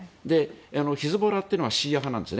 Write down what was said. ヒズボラというのはシーア派なんです。